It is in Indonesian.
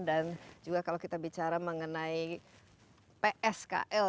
dan juga kalau kita bicara mengenai pskl